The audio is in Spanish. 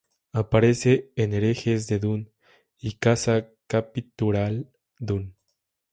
Aparece en Herejes de Dune y Casa Capitular Dune.